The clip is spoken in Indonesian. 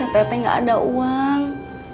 teteh gak ada uang